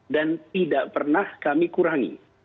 dan tidak pernah kami kurangi